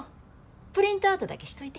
プリントアウトだけしといて。